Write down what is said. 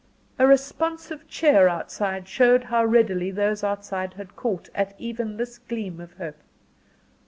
A responsive cheer outside showed how readily those outside had caught at even this gleam of hope.